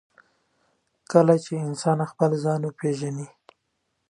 کله چې انسان خپل ځان وپېژني.